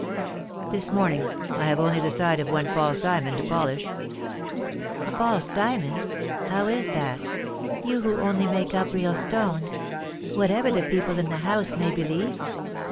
"This morning. I have only the side of one false diamond to polish." "A false diamond! How is that? you who only make up real stones, whatever the people in the house may believe."